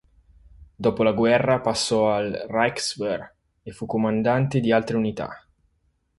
Dopo la guerra passò al Reichswehr e fu comandante di altre unità.